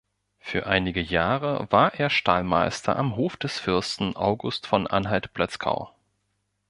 Für einige Jahre war er Stallmeister am Hof des Fürsten August von Anhalt-Plötzkau.